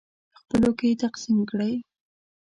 خپلو کې یې تقسیم کړئ.